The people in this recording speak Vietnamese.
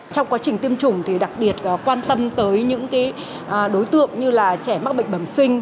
trong quá trình tiêm chủng thì đặc biệt quan tâm tới những đối tượng như là trẻ mắc bệnh bẩm sinh